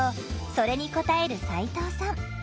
それに応える齋藤さん。